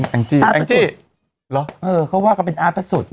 อังจี่รอเออเขาว่าก็เป็นอาร์สตอสด